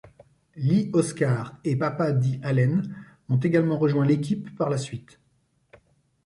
Lee Oskar et Papa Dee Allen ont également rejoint l'équipe par la suite.